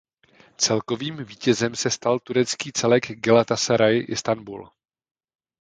Celkovým vítězem se stal turecký celek Galatasaray Istanbul.